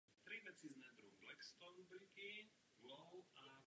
Publikoval politické spisy.